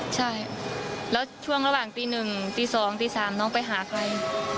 ใช่แล้วช่วงระหว่างตี๑ตี๒ตี๓น้องไปหาใคร